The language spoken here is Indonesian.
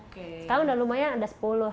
sekarang udah lumayan ada sepuluh